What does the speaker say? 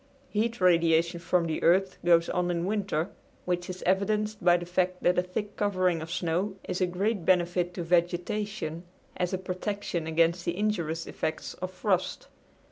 Heat radiation from the earth goes on in winter, which is evidenced by the fact that a thick covering of snow is a great benefit to vegetation as a protection against the injurious effects of frost.